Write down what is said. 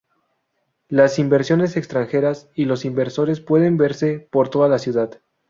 Las inversiones extranjeras y los inversores pueden verse por toda la ciudad.